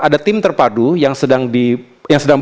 ada tim terpadu yang sedang